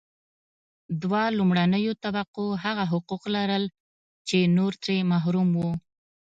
دوه لومړنیو طبقو هغه حقوق لرل چې نور ترې محروم وو.